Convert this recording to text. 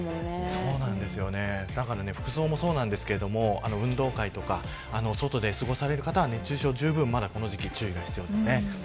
服装もそうなんですけど運動会とか外で過ごされ方は熱中症はまだこの時期注意が必要です。